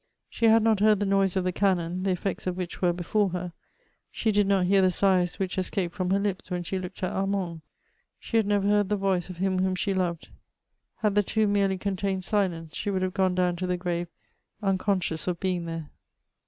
She had not heard the noise of the cannon, the effects of which were before her ; she did not hear the ngfas which escaped from her lips when she looked at Armand ; she had never heard the voice of him whom she loved ; had the tomb merely contained silence, she would have gone down to the grave unconscious of being there.